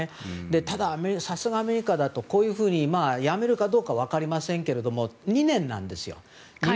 ただ、さすがアメリカだと辞めるかどうかは分かりませんが２年なんですよ。